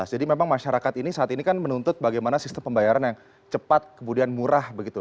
jadi memang masyarakat ini saat ini kan menuntut bagaimana sistem pembayaran yang cepat kemudian murah begitu